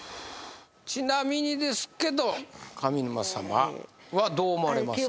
ちなみにですけど上沼様はどう思われますか？